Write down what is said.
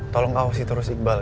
tolong ahosi terus iqbal